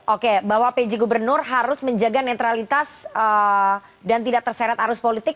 oke bahwa pj gubernur harus menjaga netralitas dan tidak terseret arus politik